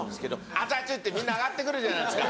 「熱い熱い！」ってみんな上がってくるじゃないですか。